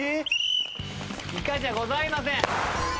イカじゃございません！